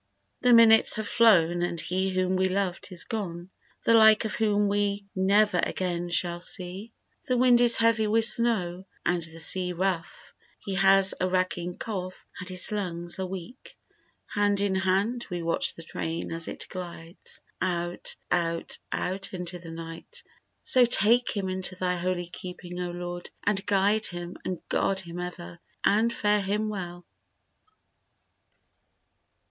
... The minutes have flown and he whom we loved is gone, The like of whom we never again shall see; The wind is heavy with snow and the sea rough, He has a racking cough and his lungs are weak. Hand in hand we watch the train as it glides Out, out, out into the night. So take him into thy holy keeping, O Lord, And guide him and guard him ever, and fare him well!